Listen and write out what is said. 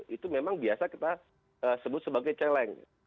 itu memang biasa kita sebut sebagai celeng